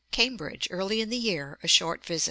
Cambridge, early in the year; a short visit.